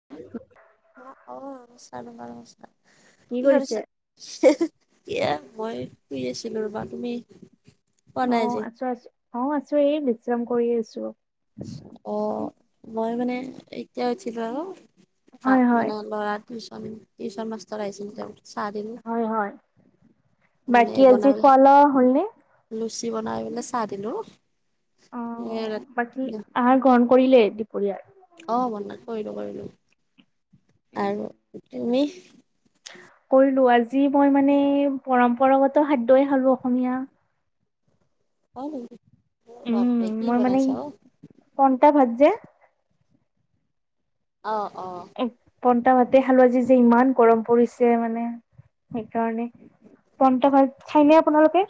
কি কৰিছ'? এয়া কি কৰিছে? মই শুই আছিলোঁ ৰবা তুমি শুৱা নাই আজি অ', আছোঁ আছোঁ অ', আছোঁ এই বিশ্ৰাম কৰি আছোঁ অ', মই মানে এতিয়া উঠিলোঁ আৰু চা, হয় হয় মানে ল'ৰা টিউচন টিউচন মাষ্টাৰ আহিছিল তেওঁক চাহ দিলো কিহৰ? মানে বনাই লোৱা হ'লনে? লুচি বনাই পেলাই চাহ দিলো অ [unintelligible] বাকী আহাৰ গ্ৰহণ কৰিলে দুপৰীয়াৰ? অ', [unintelligible] কৰিলোঁ কৰিলোঁ আৰু তুমি? কৰিলোঁ আজি মই মানে পৰম্পৰাগত খাদ্যয় খালো অসমীয়া [inaudible] উম, বাপৰে কি মই মানে বনাইছা অ পন্টা ভাত যে অ', অ', পন্টা ভাতে খালো আজি যে ইমান গৰম পৰিছে মানে, সেইকাৰণে পন্টা ভাত খাইনে আপোনালোকে?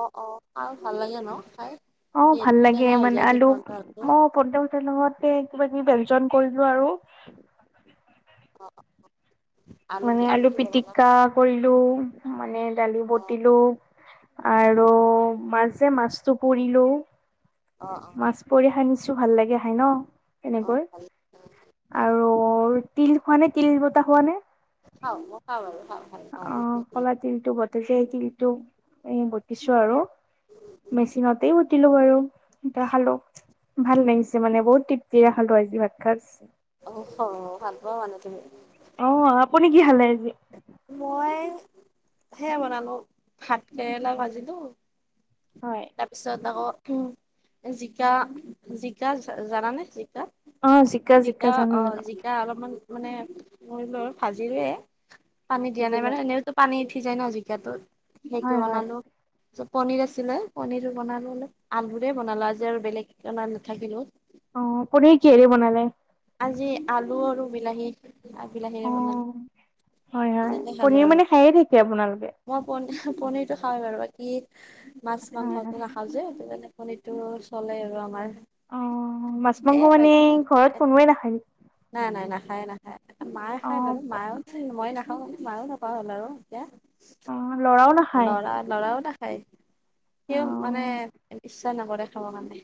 অ', অ', খাওঁ ভাল লাগে ন' খাই? অ', ভাল লাগে টেঙা হৈ মানে যায় যে আলু পৰঠাটো অ' [unintelligible] চেলুঙতে কিবা কিবি ব্যঞ্জন কৰিলো আৰু। অ', অ', মানে আলু পিতিকা কৰিলোঁ মানে দালি বতিলো আৰু মাছ যে মাছটো পুৰিলো। অ অ মাছ পোৰি খাই নিছো ভাল লাগে খাই ন'? এনেকৈ আৰু তিল খোৱা নে, তিল বতা খোৱা নে? খাওঁ মই খাওঁ বাৰু খাওঁ পাওঁ মই। অ', কলা তিলটো [unintelligible] তিলটো। এ বটিছো আৰু মেচিনতেই গ- লো বাৰু এা খালো ভাল লাগিছে মানে বহুত তৃপ্তিৰে খালো আজি ভাত খাজ- অ'হ, ভাল পাওঁ মানে তুমি- অ', আপুনি কি খালে আজি- মই সেয়া বনালো ভাত কেৰেলা ভাজিলো। হয়। তাৰপিছত আকৌ জিকা জিকা জানানে জিকা? অ', জিকা জিকা জানো জানো। এতিয়া অলপমান মানে মৰি লৈ ভাজিলোৱে। পানী দিয়া নাই ভাজিলে মানে এনেওতো পানী উঠি যায় ন' জিকাটোত সেইটো হয় হয় বনালো। পনীৰ আছিলে পনীৰো বনালো অলপ আলুৰে বনালো আজি আৰু বেলেগ বনাই নাথাকিলো। অ', পনীৰ কিহেদি বনালে? আজি আলু আৰু বিলাহী। বিলাহীৰে বনালো অ' হয় হয়। এনেকে খালো পনীৰ আৰু। মানে খায়ে থাকে আপোনালোকে। মই পন পনীৰতটো খাওঁ বাৰু বাকী মাছ হয় হয় মাংসটো নাখাওঁ যে সেইে। সেইটো চলে আৰু আমাৰ। অ' মাছ এ মাংস মানে বাকী ঘৰত কোনোৱে নাখায় নেকি? নাই, নাই নাখায় নাখায়। মায়ে অ খায় বাৰু মায়ে মই নাখাওঁ মায়েও নোখোৱা হ'ল আৰু এতিয়া। অ লৰাও নাখায় লৰাও নাখাই অ সিও মানে ইচ্ছা নকৰে খাবৰ কাৰণে।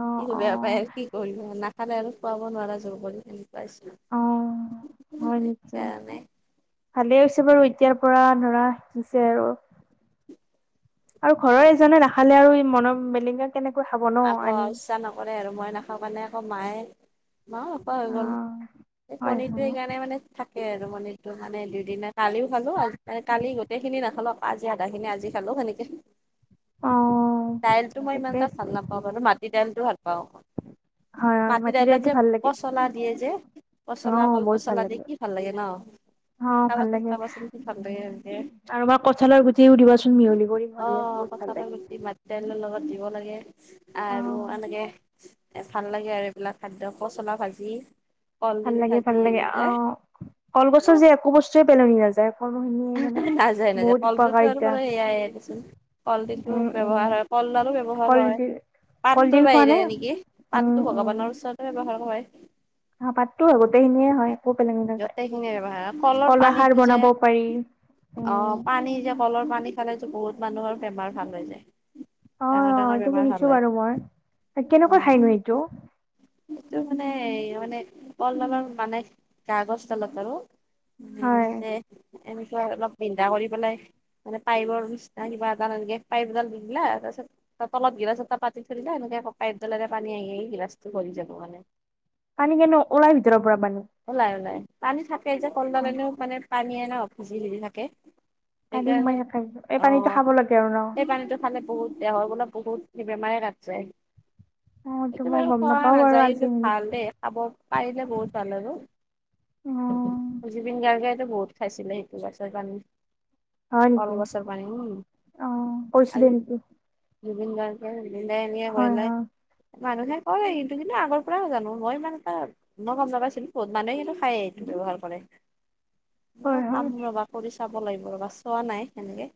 অ সিও অ বেয়া পায় আৰু কি কৰিব নাখালে আৰু খোৱাব নোৱাৰা যুৰ কৰি সেনেকুৱাই। অ', হয় নিশ্চয়। ভালে হৈছে বাৰু এতিয়াৰ পৰা ল'ৰা শিকিছে আৰু। আৰু ঘৰৰ এজনে নাখালে আৰু মন বেলেগে কেনেকৈ খাব ন'। আবা আনি ইচ্ছা নকৰে আৰু মই নাখাওঁ কাৰানে আকৌ মায়ে। হৈ অ গ'ল এই হয় পনীৰটো হয় সেইকাৰণে মানে থাকে আৰু পনীৰটো মানে দুই দিনত কালিও খালো কালি গোটেই খিনি নাখালো আজি আধা খিনি আজি খালো সেনেকে অ দাইল তো মই ঠিকে ইমানতা ইমান আছে ভাল নাপাওঁ। মাটি দাইলটো ভাল পাওঁ। হয় হয় মাটি মাটিদাইলত দাইলটো যে ভাল লাগে পচলা দিয়ে যে অ পচলা কল বহুত ভাল পচলা দি কি ভাল লাগে ন'। অ ভাল খাবাচোন লাগে খাবাচোন কি ভাল লাগে এনেকে আৰুণ্ট কঠালৰ গুটিও দিবাচোন মিহলি কৰি মিহলি কঠালৰ গুটি মাটি দাইলৰ লগত দিব লাগে আৰু অ', এনেকে এ ভাল লাগে আৰু এইবিলাক খাদ্য। পচলা ভাজি। ভাল কলডিল লাগে ভাজি ভাল লাগে। এনেকে অ' কলগছৰ যে একো বস্তুয়ে পেলনি নাযায়। কলখিনি মানে নাযায় নাযায়। বহুত কলগছৰ উপকাৰিতা। পৰা সয়াই কলডিলটো উম, উম। ব্যৱহাৰ হয়। কলদালো ব্যৱহাৰ হয়। কলডিল কলডিল পাতটোৰ খোৱা নে? বাহিৰে নেকি? উম পাতটো ভগৱানৰ ওচৰত। ব্যৱহাৰ কৰে। হ পাতটো হয় গোটেইখিনিয়ে হয় একো পেলনি নাযায়। গোটেইখিনিয়ে ব্যৱহাৰ কৰে কলৰ কলাখাৰ পানীটো যে বনাব পাৰি। অ উম, পানী যে কলৰ পানী খালে বহুত মানুহৰ বেমাৰ ভাল হৈ যায়। অ ডাঙৰ অ ডাঙৰ এইটো বেমাৰ ভাল শুনিছো হয়। বাৰু মই অ কেনেকুৱা খাইনো এইটো? সেইটো মানে মানে কলডালৰ মানে কাগজডালত আৰু উ হয় দে এনেকে অলপ বিন্ধা কৰি পেলাই মানে পাইপৰ নিচিনা কিবা এডাল এনেকে পাইপ এডাল দি দিলা তাৰপিছত ত তলত গিলাজ এটা পাতি থলে এনেকে ককাইদডলেৰে পানী আহি আহি গিলাজটো পৰিযাব যাব মানে পানী কিন্তু ওলাই ভিতৰৰ পৰা পানী ওলাই ওলাই পানী থাকে যে অ', কলডলেনো মানে পানীয়ে ন সিজি সিজি থাকে পানী সেইকাৰণে সোমাই থাকে এই অ পানীটো খাব লাগে আৰু ন। সেই পানীটো খালে বহুত দেহৰ বোলে বহুত বেমাৰে কাট যায় অ এইটো সেটো মই বাৰু গম খোৱা নাপাও বাৰু নাযায় আজি কিন্তু খালে খাব পাৰিলে বহুত ভাল আৰু অ জুবিন গাৰ্গেতো বহুত খাইছিলে সেইটো গছৰ পানী। হয় নেকি, কলগছৰ পানী উম অ কৈছিলি আৰু নেকি? জুবিন গাৰ্গে জুবিনদাই এনেকে কৈ হয় পেলাই হয় মানুহে কয় সেতু কিন্তু আগৰ পৰা জানো মই ইমান এটা মই গম নাপাই ছিল বহুত মানুহে এইতো খায়ে এইটো ব্যৱহাৰ কৰে হয় ম হয় খাম ৰবা কৰি চাব লাগিব ৰবা চোৱা নাই সেনেকে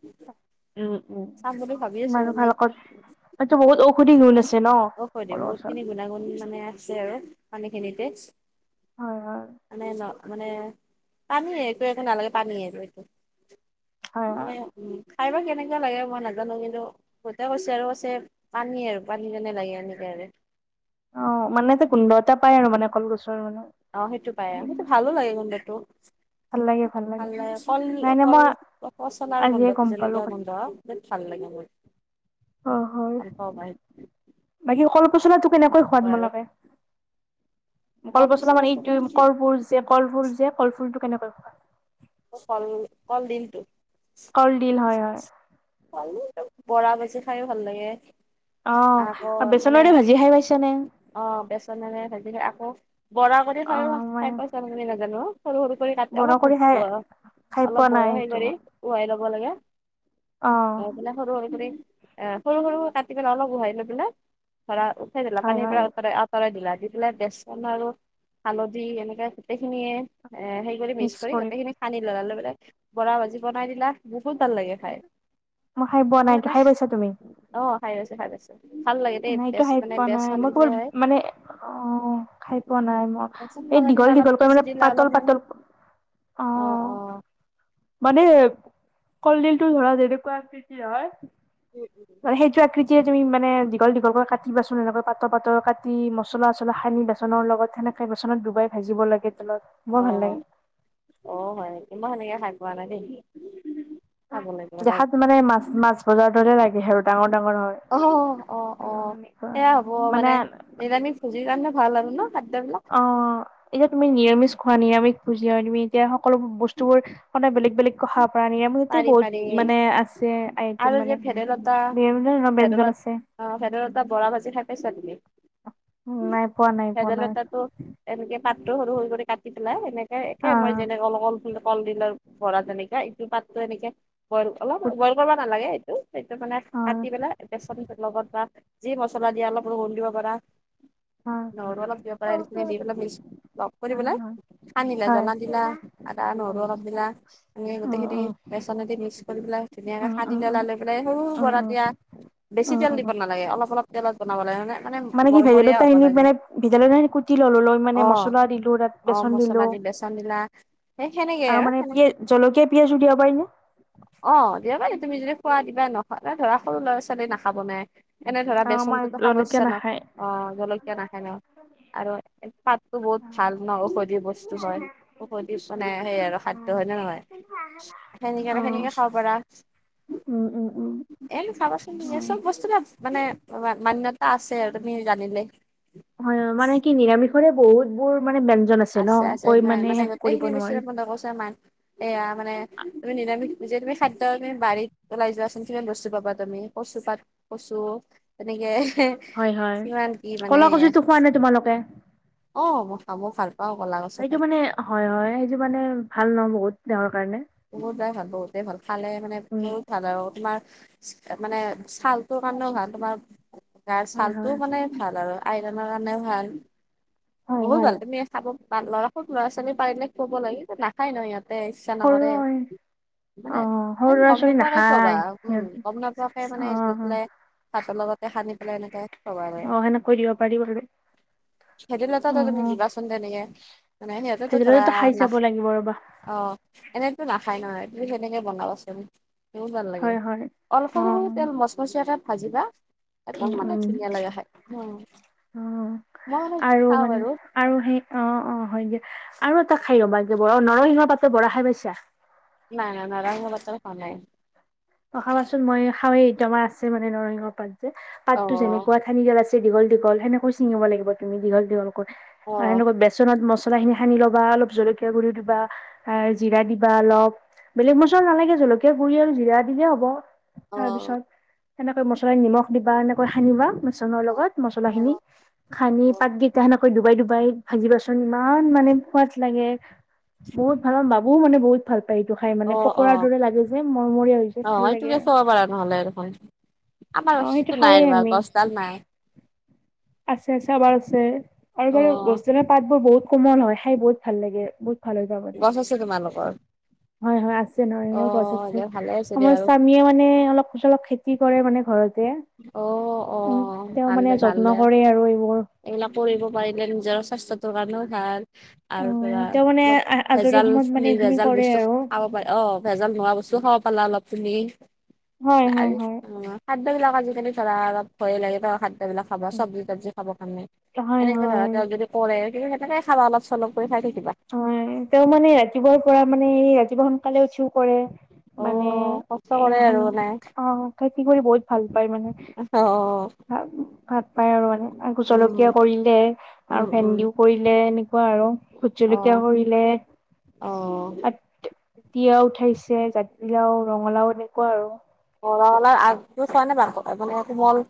উম উম চাম বুলি ভাবি আছো মানে মানভুক কল এইটো বহুত ঔষধি গুণ আছে ন অ হয় দে বহুত কলগছৰ খিনি গুণাগুণ মানে আছে আৰু পানী খিনিতে হয় হয় মানে ন মানে পানী এটো একো নালাগে পানীনিয়ে এইটো হয় হয় খাইবা কেনেকুৱা লাগে মই নাজানো কিন্তু বহুতে কৈছে আৰু কছে পানী আৰু পানী যে নে লাগে এনেকে আৰু অ মানে যে গোন্ধ এটা পাই আৰু মানে কলগছৰ মানে অ সেইটো পাই সেইটো ভালো লাগে গোন্ধটো। ভাল লাগে কল নাই নাই কল মই পচলাৰ আজিয়ে গোন্ধ, গম পালো জলকিয়া গোন্ধ কথাটো। বহুত ভাল লাগে মোৰ অ হয় গোন্ধ পাই বাকী কল পচলা টো কেনেকৈ খোৱা আৰু তোমালোকে? কল কলপচলা মানে পচলাটো এইটো মই কলফুৰ যে কলফুল যে কলফুলটো কেনেকৈ খোৱা? কল ডিলটো কলডিল হয় হয়। বৰা ভাজি খাইও ভাল লাগে। অ আকৌ মানে বেচনৰে ভাজি খাই পাইছা নে? অ বেচনৰে ভাজি আকৌ বৰা কৰি খাই অ খাই পাইচা মই নাজানো সৰু সৰু কৰি কাটি বৰা অলপ কৰি খাই ব খাই অলপ পোৱা বঅ নাই হেই সেইটো কৰি মই। উৱাই লব লাগে অ', আৰু ইফালে সৰু সৰু কৰি এ সৰু সৰু কাটি পেলাই অলপ উহাই লৈ পেলাই ধৰা উঠাই দিলা হয় পানীৰ হয় পৰা আঁতৰাই দিলা দি পেলাই বেচন আৰু হালধি এনেকে গোটেইখিনিয়ে এ সেই কৰি মিছ কৰি গোটেইখিনি সানি ললা, লৈ পেলাই বৰা ভাজি বনাই দিলা বহুত ভাল লাগে খাই। মই খাইপোৱা নাইতো, খাই পাইছা তুমি? অ খাই পাইছো, খাই পাইছো। ভাল লাগে দেই নাইটো বেচ হাই মানে পোৱা নাই বেচন মই দিলে কেৱল হয় মানে অ খাই পোৱা নাই মই। বেচন এই লগাই দীঘল দিলা অলপ দীঘলকৈ চুজি মানে দিলা পাতল অলপমান পাতল অ অ মানে কলডিলটো ধৰা যেনেকুৱা আকৃতিৰ হয়, মানে সেইটো আকৃ তিয়ে তুমি মানে দীঘল দীঘলকৈ কাটিবাচোন এনেকৈ পাতৰ পাতৰ কাটি, মছলা-চচলা সানি বাচনৰ লগত সেনে কে বেচনত ডুবাই ভাজিব লাগে তেলত অ বৰ ভাল লাগে। অ হয় নেকি মই সেনেকে খাই পোৱা নাই দেই। খাব লাগিব ৰবা দেখাত মানে মাছ মাছ ভজাৰ দৰে লাগে আৰু ডাঙৰ ডাঙৰ হয় অ অ অ অ সেয়া হ'ব মানে নিৰামিষভুজি কাৰণে ভাল আৰু ন খাদ্যবিলাক অ এতিয়া তুমি নিৰামিষ খোৱা, নিৰামিষ ভুজি হয় তুমি এতিয়া সকলো বস্তুবোৰ সদাই বেলেগ বেলেগ কৈ সাবা পৰা নিয়ম- ইয়াতে পাৰি পাৰি বহুত মানে আছে আৰু আইটিম যে মানে বিভিন্ন ব্যঞ্জন আছে অঁ ভেদাইলতা বৰা ভাজি খাই পাইচা তুমি নাই পোৱা নাই পোৱা নাই ভেদাইলতাটো- এনেকে পাতটো সৰু সৰু কৰি কাটি পেলাই এনেকে একে মই আহ যেনেকল কল ফুল কলডিলে- বৰা তেনেকে ইটো পাতো এনেকে বইল অলপ বইল কৰিব নালাগে- সেইটো মানে কাটি হয় পেলাই বেচন লগত পৰা যি মছলা দিয়া অলপ ৰহন দিব পাৰা নহৰু অলপ দিব পাৰা দি পেলাই লগ কৰি পেলাই সানিলা জ্বলা হয় দিলা আদা হয় হয় হয় নহৰু অলপ দিলা অ গোটেইখিনি অ বেচনদি মিক্স কৰি পেলাই অ ধুনীয়াকে অ সানি অ ললাই লৈ পেলাই সৰু অ বৰা দিয়া- অ বেছি তেল অ দিব অ নালাগে অলপ অলপ তেলত বনাবা লাগে- মানে কি মৰমৰীয়া হ'ব ভেৱেলীলতাখিনি লাগে মান ভেৱেলিলতা খিনি কুটি ললো লৈ মানে মছলা দিলো তাত- অঁ বেচন দিলো মছলা দি বেচন দিলা সেই সেনেকেই আৰু মানে সেনে- পিয়াজ জলকীয়া পিয়াজো দিব পাৰিনে? অঁ দিব পাৰি তুমি যদি খোৱা দিবা নখোৱা ধৰা সৰু ল'ৰা ছোৱালীয়ে নাখাব নে? এনে ধৰা আৰু আমাৰ বেচনটোতো খাব জলকীয়া ইচ্ছা নাখায়। নকৰে অ' জলকীয়া নাখাই ন- আৰু পাতটো বহুত ভাল ন ঔষধি বস্তু হয় ঔষধি মানে সেই আৰু। খাদ্য হয় নে নহয় সেনেকে সেনেকে খাব পাৰা। উমঁ উমঁ উমঁ। এই খাবাচোন এই চব বস্তু মানে মান্যতা আছে আৰু তুমি জানিলে- হয়ঁ মানে কি নিৰামিষৰে বহুত বোৰ মানে ব্যঞ্জন আছে- ন আছে আছে কৈ ন মানে শেষ কৰিব গোটেইখিনি বছৰে নোৱাৰি। পোন্ধৰ বছৰ মান- এয়া মানে তুমি নিৰমিষ নিজে তুমি খাদ্য তুমি বাৰীত ওলাই যোৱাচোন কিমান বস্তু পাবা তুমি কচুপাত- কচু তেনেকে- হয়ঁ হয়ঁ কিমান কি কলা কচুটো খোৱা নে তোমালোকে? অঁ মই খাব মই ভাল- পাওঁ কলা কচু- সেইটো খাই মানে হয়ঁ হয়ঁ সেইটো মানে ভাল ন বহুত দেহৰ কাৰণে- বহুতবাৰ ভাল বহুতেই ভাল খালে মানে উম বহুত- ভাল আৰু তোমাৰ মানে ছালটোৰ কাৰণেও ভাল তোমাৰ- গাৰ হয় হয় ছালটোও মানে ভাল আৰু আইৰনৰ কাৰণেও ভাল। হয় বহুত হয় ভাল তুমি খাব ল'ৰা ছোৱালী পাৰিলে ক'ব লাগে যে নাখায় ন ইহতে তাতে ইচ্ছা সৰু নকৰে হয়। অ মানে সৰু ল'ৰা লগ ছোৱালী নোপোৱা খোৱাবা নাখায় গম নোপোৱাকে উমু সিহঁত গম নোপোৱাকে মানে অ দি অ পেলাই- ভাতৰ লগতে সানি পেলাই এনেকে- খোৱাবা লাগে অঁ সেনেকৈ দিব পাৰি- ভেৱেলিলতা অ তুমি দিবাচোন তেনেকে মানে সিঁহতেতো ধৰা ভেদাইলতাটো খাই চাব নাখা- লাগিব ৰবা অঁ 'এনেতো নাখায় ন তুমি তেনেকে বনাবাচোন। বহুত ভাল লাগে হয় হয় অলপ অ সৰু সৰু তেল মচমচীয়া কে ভাজিবা- এমদম উম মানে উম ধুনীয়া লাগে খায় হয় মই অ মানে - আৰু মানে আৰু সেই অঁ অঁ হয় যে আৰু এটা খাই ৰ'বা নৰসিংহৰ পাতৰ বৰা খাই পাইছা। নাই নাই নাই নৰসিংহ পাতৰ খুৱা নাই। অঁ খাবাচোন মই খাওঁৱে এইটো আমাৰ আছে মানে নৰসিংহৰ পাত যে অ পাততো যেনেকুৱা- ঠাৰিদাল আছে দীঘল দীঘল সেনেকৈ ছিঙিব লাগে তুমি দীঘল দীঘলকৈ অ আৰু বেছি বেচনত মছলা খিনি সানি ল'বা অলপ জলকীয়া গুড়ি দিবা জিৰা দিবা অলপ- বেলেগ মছলা নালাগে জলকীয়া গুৰি আৰু জিৰাত ইজে হব অ তাৰ পিছত তেনেকৈ মছলাৰ নিমখ দিবা এনেকৈ সানিবা মচ চনৰ অ লগত মছলা খিনি খানি পাতগেইটা সেনেকৈ ডুবাই ডুবাই ভাজিবাচোন ইমান মানে সোৱাদ লাগে বহুত ভাল অ বাবুও মানে বহুত ভাল পায় এইটো খাই অ অ মানে অ পকৰাৰ দৰে লাগে যে মৰমৰীয়া হৈ যায় অ এইটোকে খোৱাব পাৰা নহলে দেখোন আমাৰ অ সেইটো ৰপচিটো নাই খাওঁৱেই ৰবা আমি গছডাল নাই আছে আছে এবাৰ আছে আৰু অ বাৰ গছলা পাত বোৰ বহুত কোমল হয় খাই বহুত ভাল লাগে বহুত ভালে যাব নাই গছ আছে তোমালোকৰ হয় হয় আছে অ নৰহিংৰ গছ দে আছে ভালে আছে দিয়া আমাৰ বাৰু স্বামীয়ে মানে অলপ চলপ খেতি কৰে মানে ঘৰতে অ অ ভাল দে ভাল দে নকৰে আৰু এইবোৰ এইবিলাক কৰিব পাৰিলে নিজৰ স্বাস্থ্যটোৰ কাৰণেও ভাল আৰ অ', পৰা তেওঁ মানে অলপ আজৰি ভেজাল সময়ত মানে খিনি এইখিনি ভেজাল কৰে বস্তু আৰু। খাব পাৰে অ ভেজাল নোৱা বস্তু খাব পালা অলপ তুমি হয়, হয়, হয়, আৰু সেইবিলাক আজিকালি ধৰা অলপ ভয় লাগে ন খাদ দ্য বিলাক খাবা চব্জি তবজি খাব কাৰনে হয়, এনেকে ধৰা হয়। তেওঁক যদি কৰে কিন্তু সেনেকে খাবা অলপ চলপ কৰি খাই থাকিবা হয় তেওঁ মানে ৰাতিপুৱাৰ পৰা মানে এই ৰাতিপুৱা সোনকালে উঠিও কৰে অ মানে কষ্ট কৰে এ আৰু হন মানে অ খেতি কৰি বহুত ভাল পায় মানে অ ভাত পায় আৰু মানে আকৌ জলকীয়া উম কৰিলে উম আৰু উম ভেন্দিও কৰিলে এনেকুৱা আৰু ভোট অ জলকীয়া কৰিলে অ আত এ তিয়া উঠাইছে জাতিলাও ৰঙালাও এনেকুৱা আৰু অ ৰঙালাও আগবোৰ চোৱা নে বাক কোমল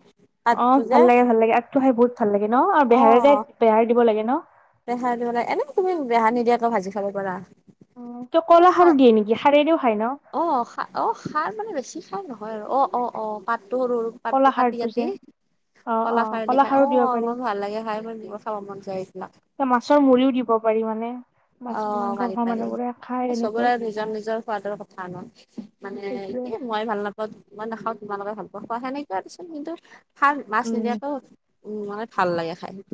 অ পাতটো যে ভাল লাগে ভাল লাগে আগটো খাই বহুত ভাল লাগে ন আৰু বেহাৰেৰে বেহাৰ দিব লাগে ন বেহাই দি পেলাই এনে তুমি বেহা নিদিয়াকে ভাজি খাব পৰা উম ত ক'ল খাৰো দিয়ে নেকি হাৰেৰেও খায় ন অ খা অ খাৰ মানে বেছি সাৰ নহয় আৰু অ অ অ পাতটো সৰু কলা পাতটো কাটি খাৰটো যে কাটি অ অ কলা খাৰ দি খাই খাৰো অ দিব পাৰি ইমান ভাল লাগে খাই মই নিব খাব মন যায় এইবিলাক ত মাছৰ গুৰিও দিব পাৰি মানে মাছ অ মাংস পাৰি খোৱা পাৰি মানুহবোৰে খাই এনেকৈ চবৰে নিজৰ নিজৰ সোৱাদৰ কথা আ ন মানে সেইটোৱে এ মই ভাল নাপাওঁ ত মই নাখাওঁ তোমালোকে ভাল পা খোৱা নকিয় আৰুচোন কিু [unintelligible] খাৰ মাছ উম নিদিয়াকো উ মানে ভাল লাগে খাই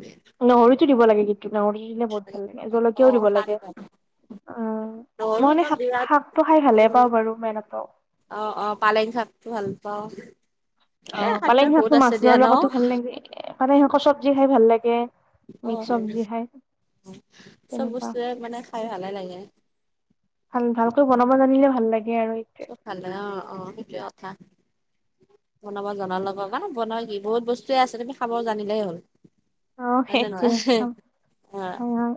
নহৰিতো দিব লাগে কিন্তু নহৰি দিলে বহুত লাগে অ জলকীয়াও দিব ল লাগে পাৰি অ মই নহৰু মানে একদম শাক বিৰাট শাকটো খাই ভালে পাওঁ বাৰু বেয়া নাপাওঁ অ অ পালেং শাকতো ভাল পাওঁ অ এ শাকটো পালেং বহুত শাকতো আছে দিয়া মাছৰ ন লগতো ভাল লাগে এ পালেং শাকৰ চব্জি খাই ভাল লাগে অ মিক্স ভাল লাগে চব্জি খাই চব তেনেকুৱা বস্তুৱে মানে খাই ভালে লাগে ভাল ভালকৈ বনাব জানিলে ভাল লাগে আৰু এই চপ ভাল লাগে অ অ সেইটোৱে কথা বনাব জনা লগ বনোৱা কি বহুত বস্তুয়ে আছে তুমি খাব জানিলেই হ'ল অ হয় নে সেহটোৱে নহয় অ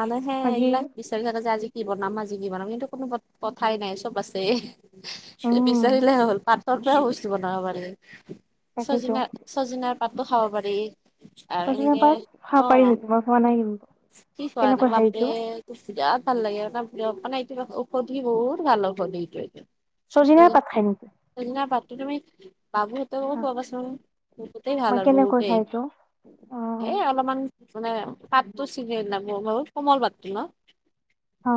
আনহে এইগিলা বিছ [unintelligible] যে আজি কি বনাম, আজি কি বনাম, কিন্তু কোনো কথাই নাই চব আছে। উম বিচাৰিলে হ'ল, পাতৰ পৰা বস্তু বনাব পাৰি। তাকেইতো চজিনা চজিনাৰ পাতটো খাব পাৰি। আৰু চজিনাৰ এনেকে পাত খাব অ পাৰি নেকি, মই খোৱা নাই কিন্তু। কি, খোৱা নাই, কেনেকৈ খাই এইটো বাপেৰে। টো বিৰাট ভাল লাগে, মানে, মানে এইটো ঔষধি, বহুত ভাল ঔষধি এইটো। চজিনাৰ পাত খাই নেকি? চজিনাৰ পাতটো তুমি বাবুহঁতকো খোৱাবাচোন, বহুতেই মই ভাল আৰু কেনেকৈ খাই বহুতেই। এইটো অ এ অলপমান মান মানে, পাতটো ছিঙি [unintelligible] বহুত কোমল পাতটো ন। অ